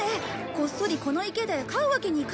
こっそりこの池で飼うわけにいかない？